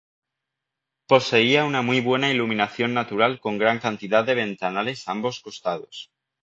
Poseía una muy buena iluminación natural con gran cantidad de ventanales a ambos costados.